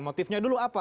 motifnya dulu apa